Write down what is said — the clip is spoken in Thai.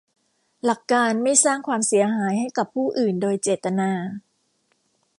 หลักการไม่สร้างความเสียหายให้กับผู้อื่นโดยเจตนา